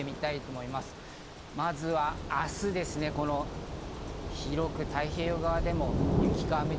まずは明日、広く太平洋側でも雪か雨。